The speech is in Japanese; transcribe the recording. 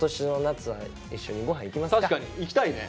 確かに行きたいね。